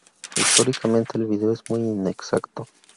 Históricamente, el video es muy inexacto.